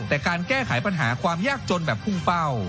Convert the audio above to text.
แต่การแก้ไขปัญหาความยากจนแบบพุ่งเป้า